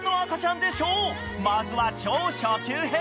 ［まずは超初級編］